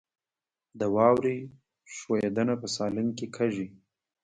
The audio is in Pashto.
د واورې ښویدنه په سالنګ کې کیږي